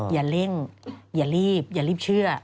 อย่าเร่งอย่ารีบอย่ารีบเชื่อ